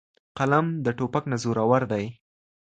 قلم د توپک نه زورور دی.